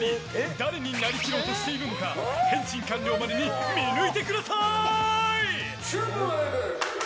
誰になりきろうとしているのか変身完了までに見抜いてください。